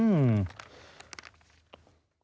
อืม